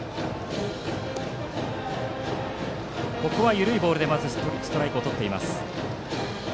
緩いボールでまずストライクをとっています。